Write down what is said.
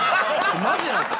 マジなんすよ